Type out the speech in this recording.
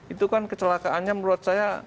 itu kan kecelakaannya menurut saya